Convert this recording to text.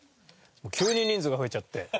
急に人数が増えちゃって。